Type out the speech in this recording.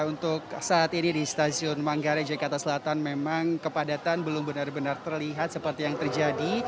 untuk saat ini di stasiun manggarai jakarta selatan memang kepadatan belum benar benar terlihat seperti yang terjadi